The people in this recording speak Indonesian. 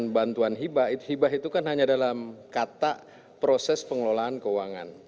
bantuan hibah hibah itu kan hanya dalam kata proses pengelolaan keuangan